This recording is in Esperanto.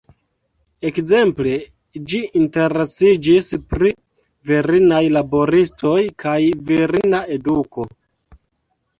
Ekzemple, ĝi interesiĝis pri virinaj laboristoj, kaj virina eduko.